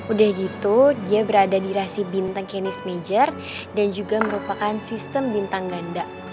udah gitu dia berada di rasih bintang chenis major dan juga merupakan sistem bintang ganda